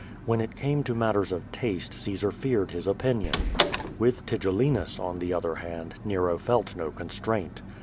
When it came to matters of taste Caesar feared his opinion. With Tigellinus, on the other hand, Nero felt no constraint.